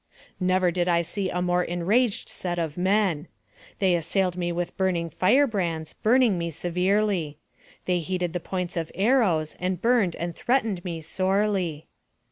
Never did I see a more enraged set of men. They assailed me with burning fire brands, burning me se verely. They heated the points of arrows, and burned and threatened me sorely.